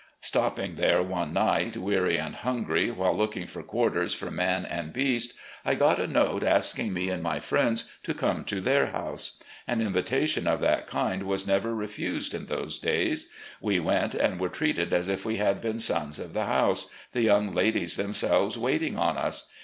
Stopping there one night, weary and himgry, while looking for quarters for man and beast, I got a note asking me and my friends aio RECOLLECTIONS OF GENERAL LEE to come to their house. An invitation of that kind was never refused in those days. We went and were treated as if we had been sons of the house, the young ladies them selves waiting on us.